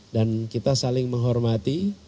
dan kita saling menghormati